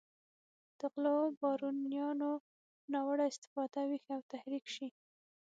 د غلو بارونیانو ناوړه استفاده ویښ او تحریک شي.